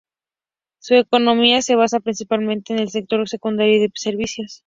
Su economía se basa principalmente en el sector secundario y de servicios.